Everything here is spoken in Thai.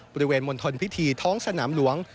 บริเวณมณฑลพิธีท้องสนามหลวง